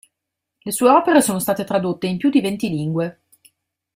Le sue opere sono state tradotte in più di venti lingue.